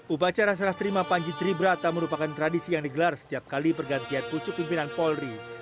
upacara serah terima panji tribrata merupakan tradisi yang digelar setiap kali pergantian pucuk pimpinan polri